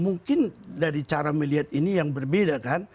mungkin dari cara melihat ini yang berbeda kan